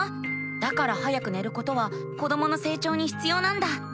だから早く寝ることは子どもの成長にひつようなんだ。